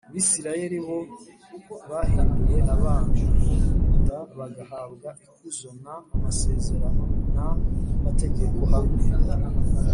Bisirayeli bo bahinduwe abana d bagahabwa ikuzo n amasezerano n amategeko hamwe